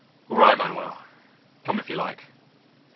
"All right, Manuel; come if you like."